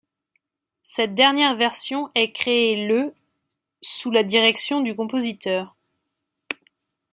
Cette dernière version est créée le sous la direction du compositeur.